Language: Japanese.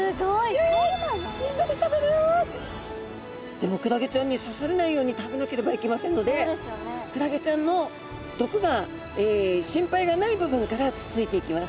でもクラゲちゃんに刺されないように食べなければいけませんのでクラゲちゃんの毒が心配がない部分からつついていきます。